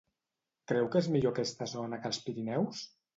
Creu que és millor aquesta zona que els Pirineus?